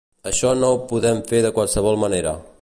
Això no ho podem fer de qualsevol manera.